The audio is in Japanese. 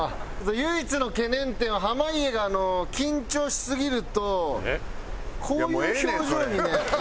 唯一の懸念点は濱家が緊張しすぎるとこういう表情にね。